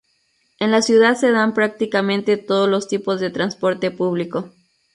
En la ciudad se dan prácticamente todos los tipos de transporte público.